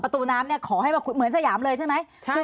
ประตูน้ำขอให้เหมือนสยามเลยใช่ไหม